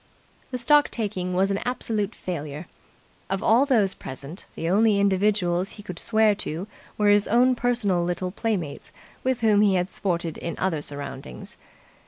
The stock taking was an absolute failure. Of all those present the only individuals he could swear to were his own personal little playmates with whom he had sported in other surroundings.